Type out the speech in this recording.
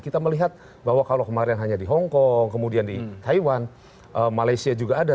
kita melihat bahwa kalau kemarin hanya di hongkong kemudian di taiwan malaysia juga ada